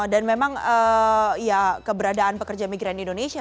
dan memang ya keberadaan pekerja migran di indonesia